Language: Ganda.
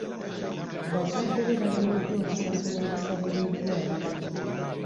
Bazadde be balemereddwa okusasula ebisale by'eddwaliro.